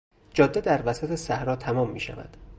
جاده در وسط صحرا تمام میشود.